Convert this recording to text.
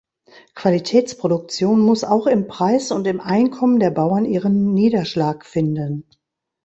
Qualitätsproduktion muss auch im Preis und im Einkommen der Bauern ihren Niederschlag finden.